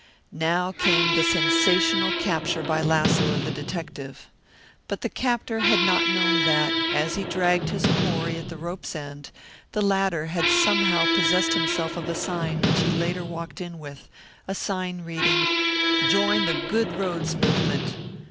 Now came the sensational capture by lasso of the detective. But the captor had not known that, as he dragged his quarry at the rope's end, the latter had somehow possessed himself of a sign which he later walked in with, a sign reading, "Join the Good Roads Movement!"